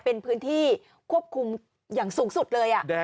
เป็นพื้นที่ควบคุมอย่างสูงสุดเลย